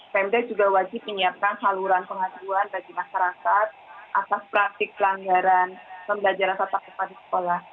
pemda juga wajib menyiapkan saluran pengaduan bagi masyarakat atas praktik pelanggaran pembelajaran tetap muka di sekolah